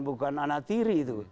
bukan anak tiri itu